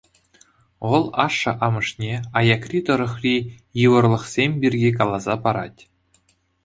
Вӑл ашшӗ-амӑшне аякри тӑрӑхри йывӑрлӑхсем пирки каласа парать.